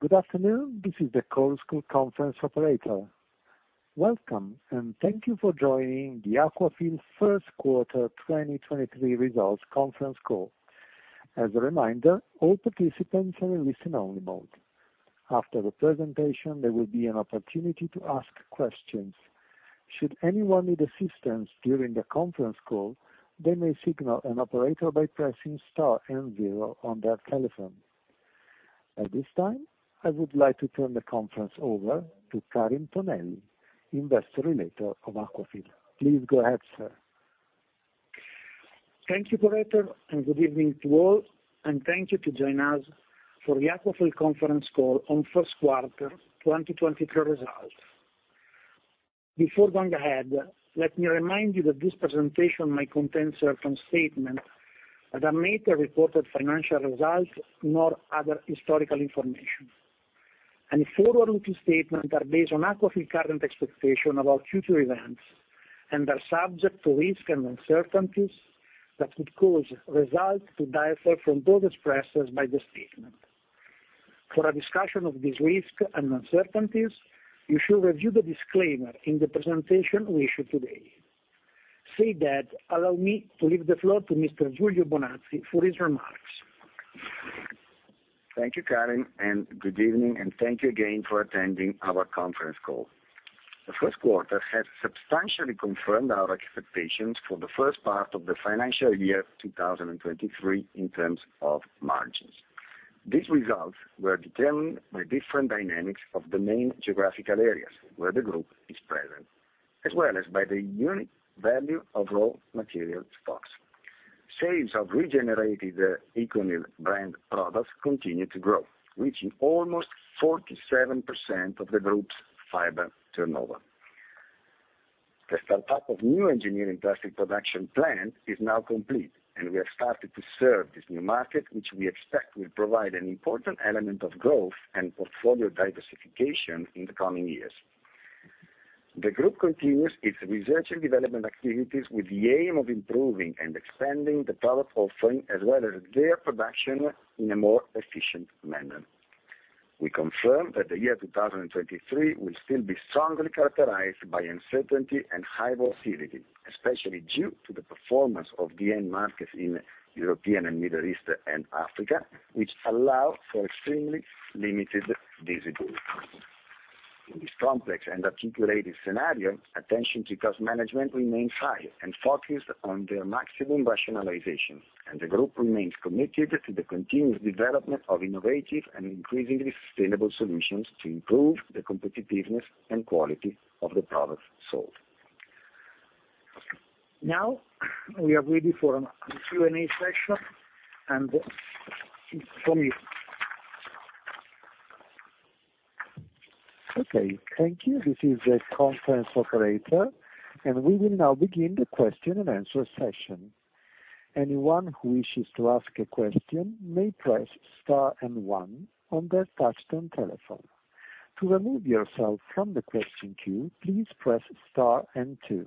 Good afternoon. This is the call school conference operator. Welcome, and thank you for joining the Aquafil First Quarter 2023 Results Conference Call. As a reminder, all participants are in listen-only mode. After the presentation, there will be an opportunity to ask questions. Should anyone need assistance during the conference call, they may signal an operator by pressing star and zero on their telephone. At this time, I would like to turn the conference over to Karim Tonelli, Investor Relations of Aquafil. Please go ahead, sir. Thank you operator, and good evening to all, and thank you to join us for the Aquafil conference call on First Quarter 2023 results. Before going ahead, let me remind you that this presentation may contain certain statements that are neither reported financial results nor other historical information. Any forward-looking statements are based on Aquafil's current expectations about future events, and are subject to risks and uncertainties that could cause results to differ from those expressed by the statement. For a discussion of these risks and uncertainties, you should review the disclaimer in the presentation we issue today. Say that, allow me to leave the floor to Mr. Giulio Bonazzi for his remarks. Thank you, Karim, and good evening, and thank you again for attending our conference call. The First Quarter has substantially confirmed our expectations for the first part of the financial year 2023 in terms of margins. These results were determined by different dynamics of the main geographical areas where the group is present, as well as by the unit value of raw material stocks. Sales of regenerated ECONYL brand products continue to grow, reaching almost 47% of the group's fiber turnover. The startup of new engineering plastic production plant is now complete, and we have started to serve this new market, which we expect will provide an important element of growth and portfolio diversification in the coming years. The group continues its research and development activities with the aim of improving and expanding the product offering, as well as their production in a more efficient manner. We confirm that the year 2023 will still be strongly characterized by uncertainty and high volatility, especially due to the performance of the end markets in European and Middle East and Africa, which allow for extremely limited visibility. In this complex and articulated scenario, attention to cost management remains high and focused on the maximum rationalization, and the group remains committed to the continuous development of innovative and increasingly sustainable solutions to improve the competitiveness and quality of the products sold. Now, we are ready for the Q&A session and for me. Okay. Thank you. This is the conference operator. We will now begin the question and answer session. Anyone who wishes to ask a question may press star and one on their touchtone telephone. To remove yourself from the question queue, please press star and two.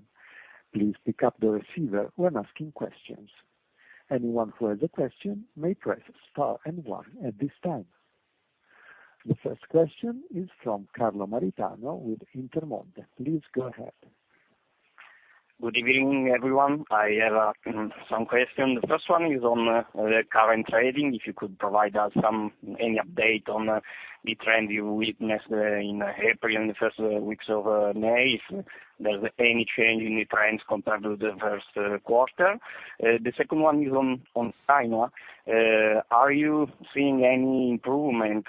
Please pick up the receiver when asking questions. Anyone who has a question may press star and one at this time. The first question is from Carlo Maritano with Intermonte. Please go ahead. Good evening, everyone. I have some questions. The first one is on the current trading. If you could provide us any update on the trend you witnessed in April, in the first weeks of May, if there's any change in the trends compared to the first quarter. The second one is on China. Are you seeing any improvement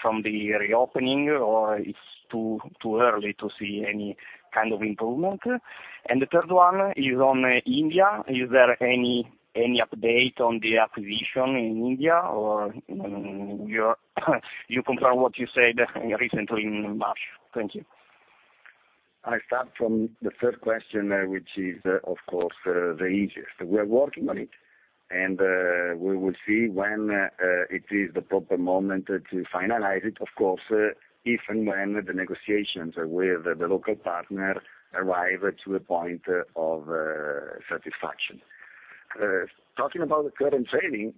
from the reopening or it's too early to see any kind of improvement? The third one is on India. Is there any update on the acquisition in India or you confirm what you said recently in March? Thank you. I start from the third question, which is, of course, the easiest. We are working on it. We will see when it is the proper moment to finalize it, of course, if and when the negotiations with the local partner arrive to a point of satisfaction. Talking about the current trading,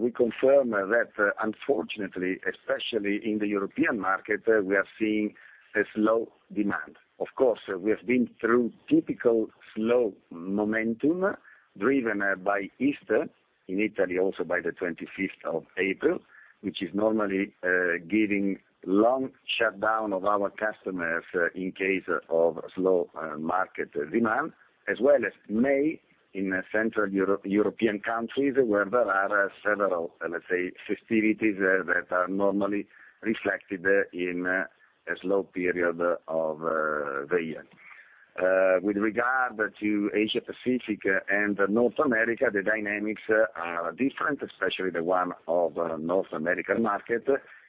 we confirm that unfortunately, especially in the European market, we are seeing a slow demand. Of course, we have been through typical slow momentum driven by Easter, in Italy, also by the 25th of April, which is normally giving long shutdown of our customers in case of slow market demand, as well as May in central European countries, where there are several, let's say, festivities that are normally reflected in a slow period of the year. With regard to Asia Pacific and North America, the dynamics are different, especially the one of North American market,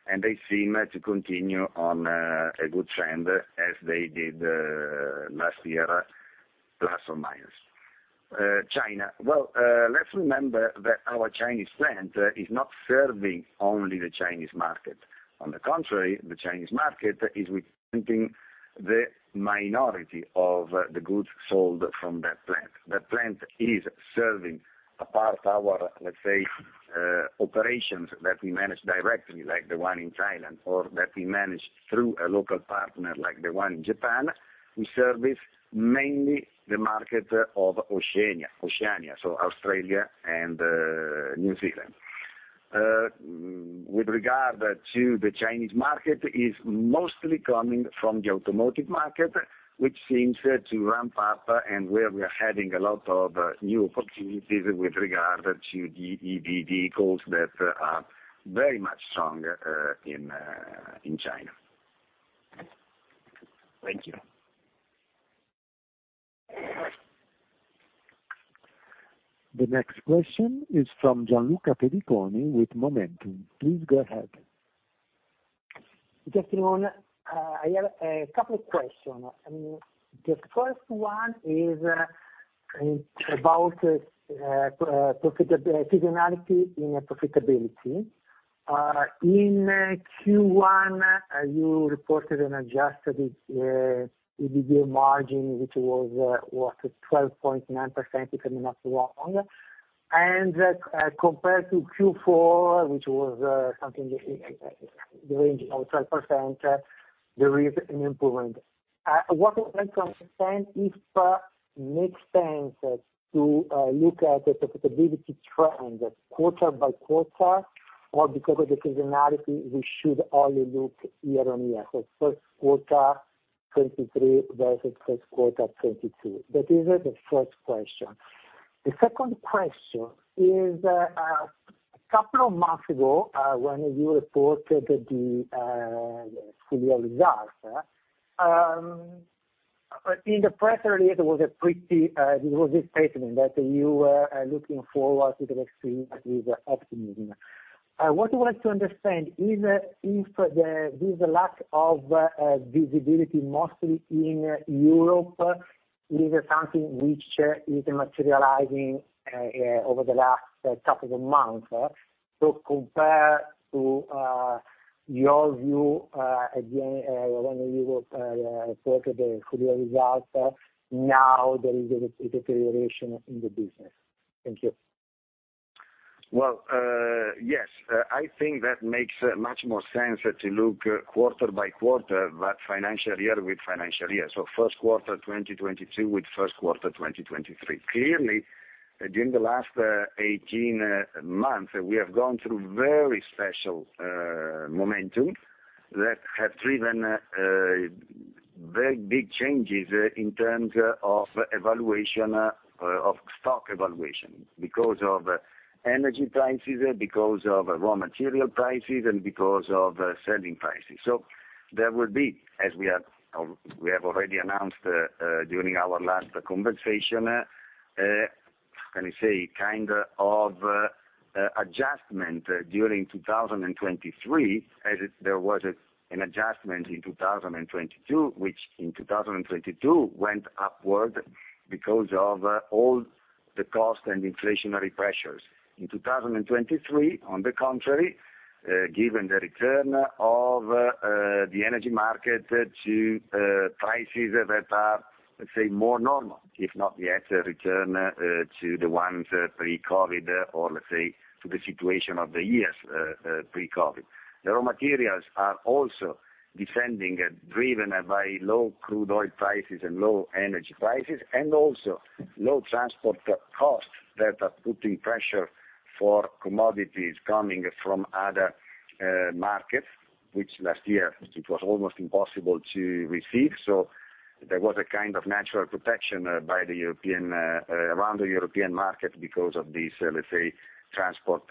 and they seem to continue on a good trend as they did last year. Plus or minus. China. Well, let's remember that our Chinese plant is not serving only the Chinese market. On the contrary, the Chinese market is representing the minority of the goods sold from that plant. That plant is serving a part, our operations that we manage directly, like the one in Thailand, or that we manage through a local partner like the one in Japan, we service mainly the market of Oceania, so Australia and New Zealand. With regard to the Chinese market, it is mostly coming from the automotive market, which seems to ramp up and where we are having a lot of new opportunities with regard to the EV vehicles that are very much strong in China. Thank you. The next question is from Gianluca Pediconi with Momentum. Please go ahead. Giulio, I have a couple of questions. The first one is about seasonality in profitability. In Q1, you reported an adjusted EBITDA margin, which was what? 12.9%, if I'm not wrong. Compared to Q4, which was something in the range of 12%, there is an improvement. What I would like to understand if makes sense to look at the profitability trend quarter by quarter, or because of the seasonality, we should only look year on year. First quarter 2023 versus first quarter 2022. That is the first question. The second question is, a couple of months ago, when you reported the full year results. In the press release, there was a statement that you are looking forward to the next year with optimism. What I wanted to understand is if this lack of visibility, mostly in Europe, is something which is materializing over the last couple of months. Compared to your view, again, when you reported the full year results, now there is a deterioration in the business. Thank you. Well, yes. I think that makes much more sense to look quarter by quarter, but financial year with financial year. First quarter 2022 with first quarter 2023. Clearly, during the last 18 months, we have gone through very special momentum that have driven very big changes in terms of stock evaluation, because of energy prices, because of raw material prices, and because of selling prices. There will be, as we have already announced, during our last conversation, how can I say? Kind of adjustment during 2023, as there was an adjustment in 2022. Which in 2022 went upward because of all the cost and inflationary pressures. In 2023, on the contrary, given the return of the energy market to prices that are, let's say, more normal, if not yet a return to the ones pre-COVID, or let's say, to the situation of the years pre-COVID. The raw materials are also descending, driven by low crude oil prices and low energy prices, and also low transport costs that are putting pressure for commodities coming from other markets, which last year it was almost impossible to receive. There was a kind of natural protection around the European market because of this transport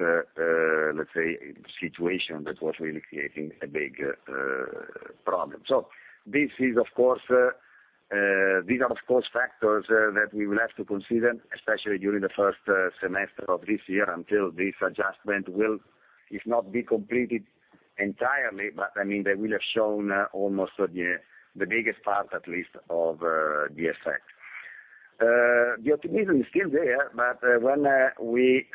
situation that was really creating a big problem. These are, of course, factors that we will have to consider, especially during the first semester of this year, until this adjustment will, if not be completed entirely, but they will have shown almost the biggest part, at least, of the effect. The optimism is still there, but when we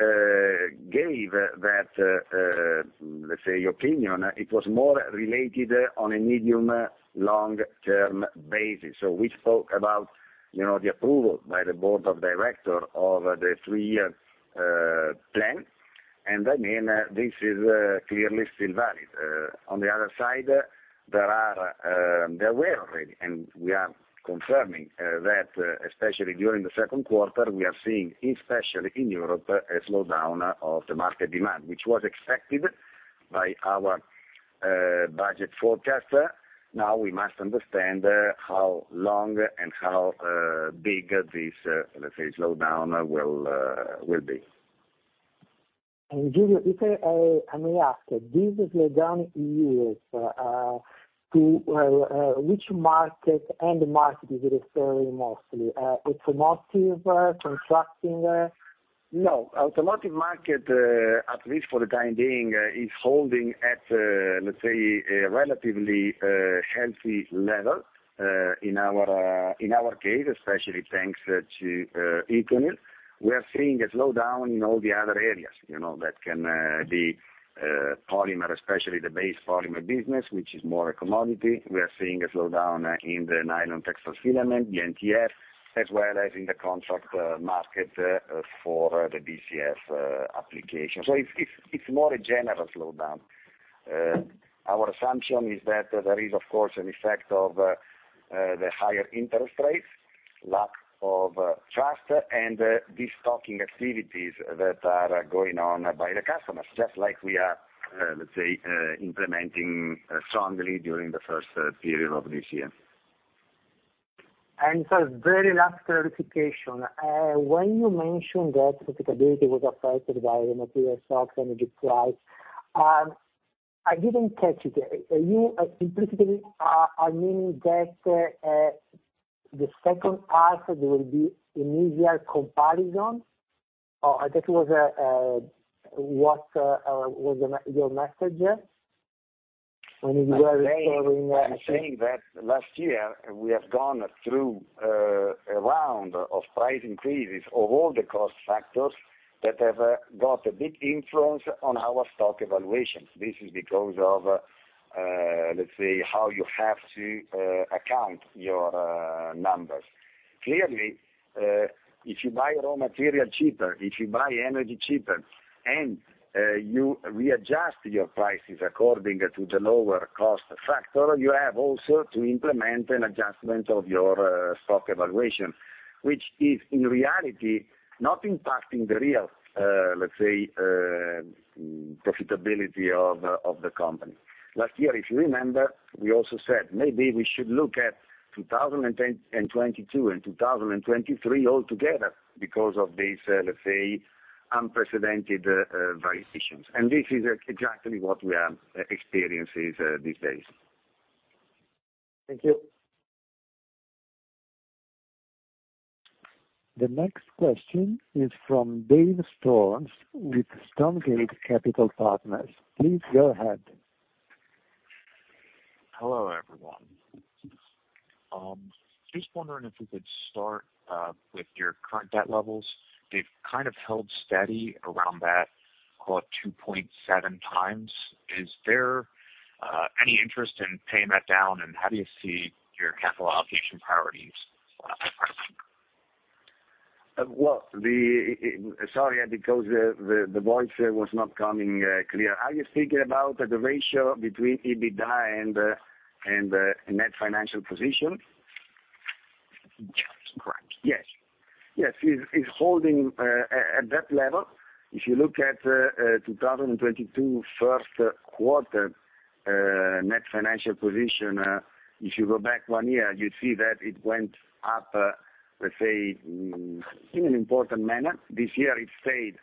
gave that opinion, it was more related on a medium, long term basis. We spoke about the approval by the board of directors of the three year plan, and this is clearly still valid. On the other side, they were already, and we are confirming, that especially during the second quarter, we are seeing, especially in Europe, a slowdown of the market demand, which was expected by our budget forecast. Now we must understand how long and how big this slowdown will be. Giulio, if I may ask, this slowdown in Europe, to which market is it referring mostly? Automotive? Construction? No. Automotive market, at least for the time being, is holding at, let's say, a relatively healthy level. In our case, especially thanks to ECONYL. We are seeing a slowdown in all the other areas, that can be polymer, especially the base polymer business, which is more a commodity. We are seeing a slowdown in the nylon textile filament, the NTF, as well as in the contract market for the BCF application. It's more a general slowdown. Our assumption is that there is, of course, an effect of the higher interest rates, lack of trust, and destocking activities that are going on by the customers, just like we are, let's say, implementing strongly during the first period of this year. Sir, very last clarification. When you mentioned that profitability was affected by raw material stocks, energy price, I didn't catch it. Are you implicitly meaning that the second half there will be an easier comparison? Or that was your message? When you were restoring- I'm saying that last year, we have gone through a round of price increases of all the cost factors that have got a big influence on our stock evaluations. This is because of, let's say, how you have to account your numbers. Clearly, if you buy raw material cheaper, if you buy energy cheaper, and you readjust your prices according to the lower cost factor, you have also to implement an adjustment of your stock evaluation. Which is, in reality, not impacting the real, let's say, profitability of the company. Last year, if you remember, we also said, maybe we should look at 2022 and 2023 all together because of these, let's say, unprecedented variations. This is exactly what we are experiencing these days. Thank you. The next question is from Dave Stoz with Stonegate Capital Partners. Please go ahead. Hello, everyone. Just wondering if we could start with your current debt levels. They've kind of held steady around that, call it, 2.7 times. Is there any interest in paying that down, and how do you see your capital allocation priorities? Well, sorry, because the voice was not coming clear. Are you speaking about the ratio between EBITDA and net financial position? Yes, correct. Yes. It's holding at that level. If you look at 2022 first quarter net financial position, if you go back one year, you see that it went up, let's say, in an important manner. This year, it stayed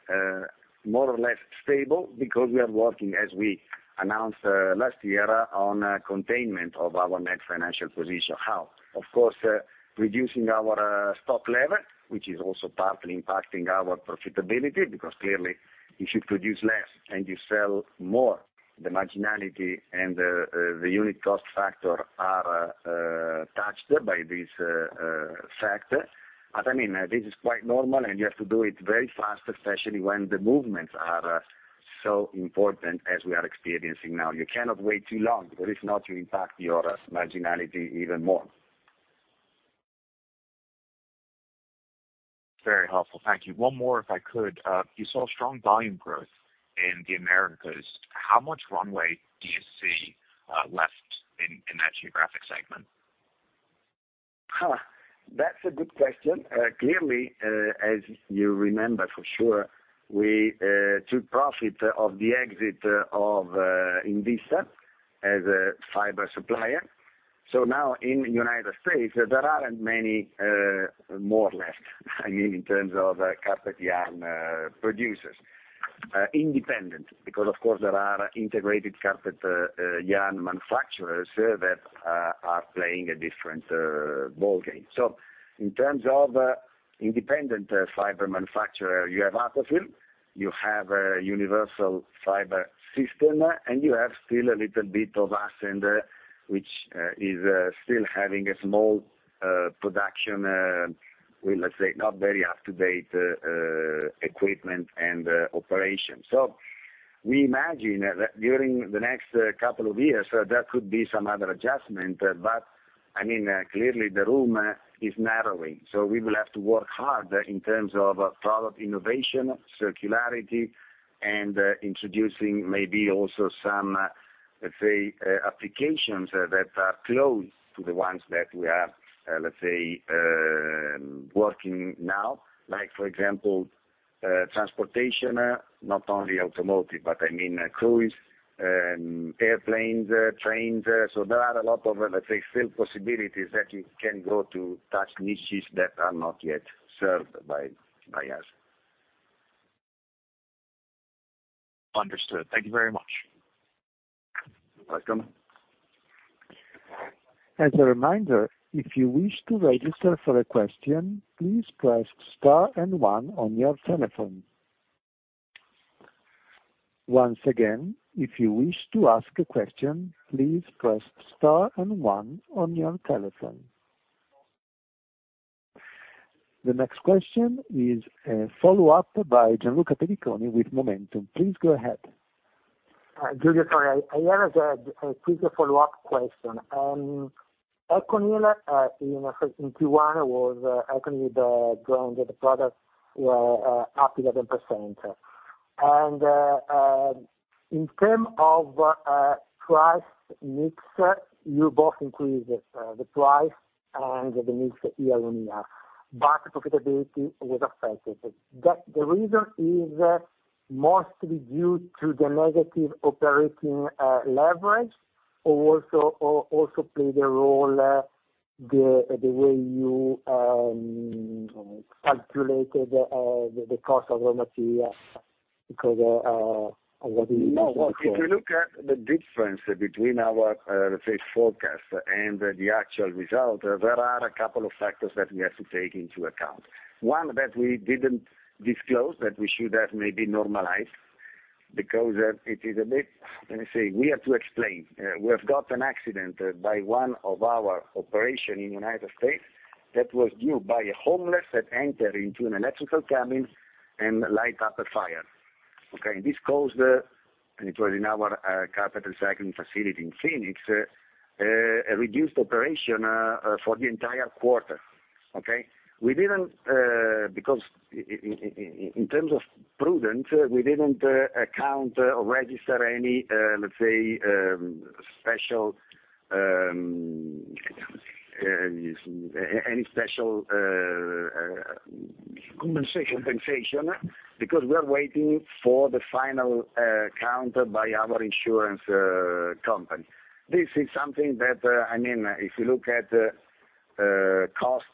more or less stable because we are working, as we announced last year, on containment of our net financial position. How? Of course, reducing our stock level, which is also partly impacting our profitability, because clearly, if you produce less and you sell more, the marginality and the unit cost factor are touched by this factor. This is quite normal, and you have to do it very fast, especially when the movements are so important as we are experiencing now. You cannot wait too long, because if not, you impact your marginality even more. Very helpful. Thank you. One more, if I could. You saw strong volume growth in the Americas. How much runway do you see left in that geographic segment? That's a good question. Clearly, as you remember for sure, we took profit of the exit of INVISTA as a fiber supplier. Now in U.S., there aren't many more left in terms of carpet yarn producers. Independent, because of course, there are integrated carpet yarn manufacturers that are playing a different ballgame. In terms of independent fiber manufacturer, you have Aquafil, you have Universal Fiber Systems, and you have still a little bit of us, and which is still having a small production with, let's say, not very up-to-date equipment and operation. We imagine that during the next couple of years, there could be some other adjustment, but clearly the room is narrowing. We will have to work hard in terms of product innovation, circularity, and introducing maybe also some, let's say, applications that are close to the ones that we are working now. Like, for example, transportation, not only automotive, but cruise, airplanes, trains. There are a lot of, let's say, still possibilities that you can go to touch niches that are not yet served by us. Understood. Thank you very much. Welcome. As a reminder, if you wish to register for a question, please press star and one on your telephone. Once again, if you wish to ask a question, please press star and one on your telephone. The next question is a follow-up by Gianluca Pediconi with Momentum. Please go ahead. Hi, Giulio. Sorry, I have a quicker follow-up question. ECONYL, in Q1, was ECONYL the brand or the product, up 11%. In terms of price mix, you both increased the price and the mix year-on-year, but profitability was affected. The reason is mostly due to the negative operating leverage or also play the role the way you calculated the cost of raw material? If you look at the difference between our, let's say, forecast and the actual result, there are a couple of factors that we have to take into account. One that we didn't disclose, that we should have maybe normalized, because it is a bit we have to explain. We have got an accident by one of our operation in the U.S. that was due by a homeless that entered into an electrical cabin and light up a fire. Okay? It was in our carpet recycling facility in Phoenix, reduced operation for the entire quarter. Okay? Because in terms of prudence, we didn't account or register any, let's say, special compensation. Compensation. We are waiting for the final count by our insurance company. This is something that, if you look at cost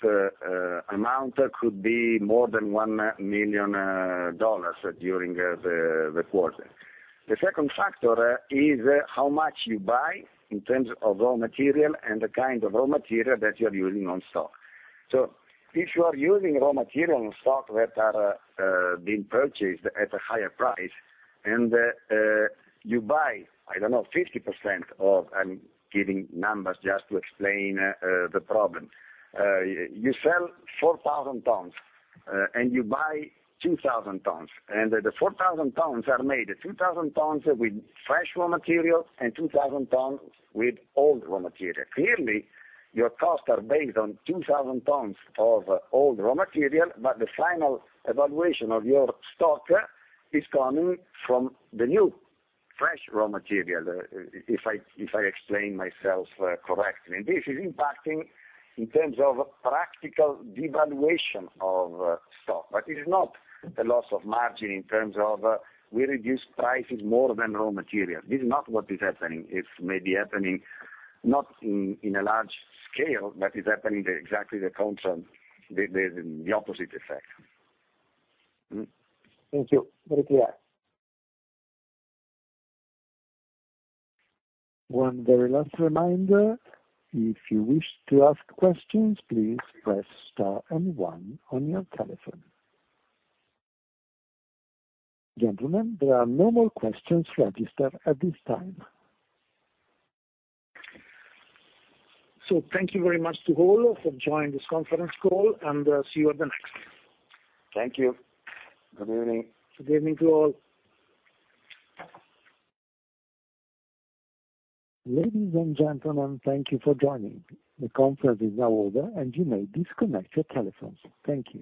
amount, could be more than $1 million during the quarter. The second factor is how much you buy in terms of raw material and the kind of raw material that you're using on stock. If you are using raw material on stock that are being purchased at a higher price, and you buy, I don't know, I'm giving numbers just to explain the problem. You sell 4,000 tons, and you buy 2,000 tons. The 4,000 tons are made of 2,000 tons with fresh raw material and 2,000 tons with old raw material. Clearly, your costs are based on 2,000 tons of old raw material, but the final evaluation of your stock is coming from the new fresh raw material, if I explain myself correctly. This is impacting in terms of practical devaluation of stock. It is not a loss of margin in terms of we reduce prices more than raw material. This is not what is happening. It's maybe happening, not in a large scale, but is happening exactly the opposite effect. Thank you. Very clear. One very last reminder. If you wish to ask questions, please press star and one on your telephone. Gentlemen, there are no more questions registered at this time. Thank you very much to all for joining this conference call, and see you at the next. Thank you. Good evening. Good evening to all. Ladies and gentlemen, thank you for joining. The conference is now over, and you may disconnect your telephones. Thank you.